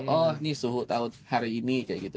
oh ini suhu tahun hari ini kayak gitu